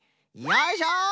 よいしょ！